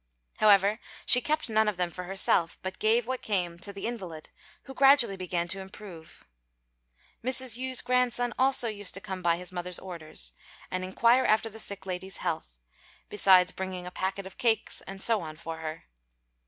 However, she kept none of them for herself, but gave what came to the invalid, who gradually began to improve. Mrs. Yü's grandson also used to come by his mother's orders, and inquire after the sick lady's health, besides bringing a packet of cakes and so on for her.